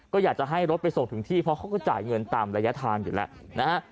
ก็อยากจะให้รถไปส่งถึงที่เพราะเขาก็จ่ายเงินตามระยะทางอยู่แล้วนะฮะ